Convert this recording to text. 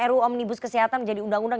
ru omnibus kesehatan menjadi undang undang